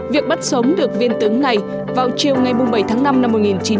việc bắt sống được viên tướng này vào chiều ngày bảy tháng năm năm một nghìn chín trăm bảy mươi